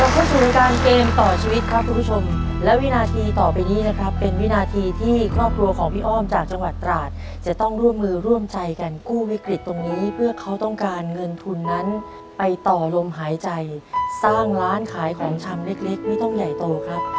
เข้าสู่การเกมต่อชีวิตครับคุณผู้ชมและวินาทีต่อไปนี้นะครับเป็นวินาทีที่ครอบครัวของพี่อ้อมจากจังหวัดตราดจะต้องร่วมมือร่วมใจกันกู้วิกฤตตรงนี้เพื่อเขาต้องการเงินทุนนั้นไปต่อลมหายใจสร้างร้านขายของชำเล็กเล็กไม่ต้องใหญ่โตครับ